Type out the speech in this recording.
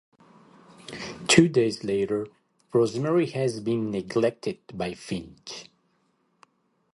Two days later, Rosemary has been neglected by Finch.